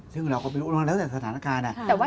ซึ่งเราก็ไม่รู้มันแล้วแต่สถานการณ์